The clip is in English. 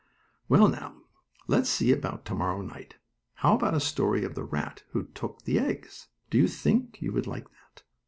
Well, now, let's see about to morrow night. How about a story of the rat who took the eggs? Do you think you would like that?